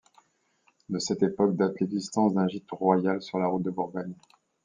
De cette époque date l’existence d’un gîte royal sur la route de Bourgogne.